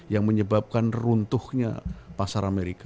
yang menyebabkan runtuhnya pasar amerika